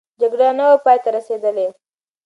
جګړه لا نه وه پای ته رسېدلې.